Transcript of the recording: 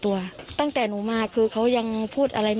อายุ๑๐ปีนะฮะเขาบอกว่าเขาก็เห็นถูกยิงนะครับ